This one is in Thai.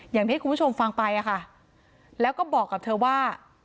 อย่างที่คุณผู้ชมฟังไปอะค่ะแล้วก็บอกกับเธอว่า